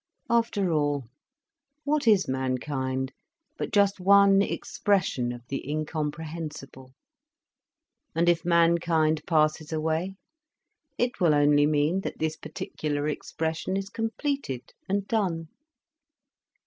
After all, what is mankind but just one expression of the incomprehensible. And if mankind passes away, it will only mean that this particular expression is completed and done.